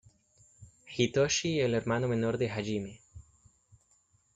Hitoshi el hermano menor de Hajime.